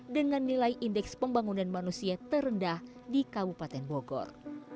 dengan nilai indeks pembangunan manusia terendah di kabupaten bogor